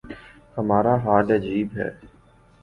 ہمارا حال عجیب ہے۔